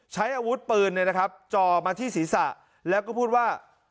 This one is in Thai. ใช้อาวุธปืนเนี่ยนะครับจอมาที่ศีรษะแล้วก็พูดว่า